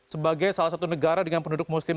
sebagai salah satu negara dengan penduduk muslim